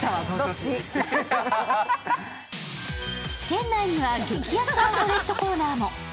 店内には激安アウトレットコーナーも。